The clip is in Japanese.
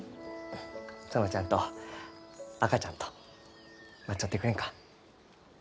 園ちゃんと赤ちゃんと待っちょってくれんか？